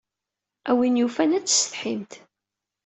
A win yufan ad tessetḥimt.